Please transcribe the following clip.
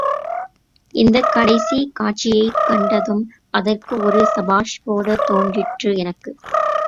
இந்தக் கடைசிக் காட்சியைக் கண்டதும் அதற்கு ஒரு சபாஷ் போடத் தோன்றிற்று எனக்கு.